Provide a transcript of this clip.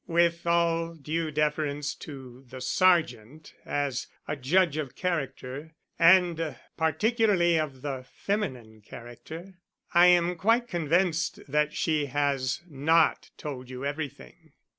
"With all due deference to the sergeant as a judge of character, and particularly of the feminine character, I am quite convinced that she has not told you everything."